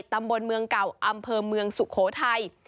ตำบลเมืองเก่าอำเภอเมืองสุโขทัย